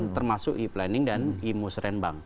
termasuk e planning dan e musrembang